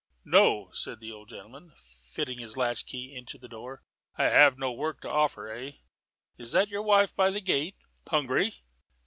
"No," said the old gentleman, fitting his latchkey into the door, "I have no work to offer. Eh? Is that your wife by the gate? Hungry?"